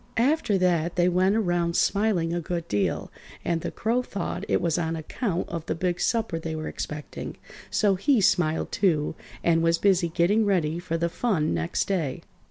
After that they went around smiling a good deal, and the Crow thought it was on account of the big supper they were expecting, so he smiled, too, and was busy getting ready for the fun next day.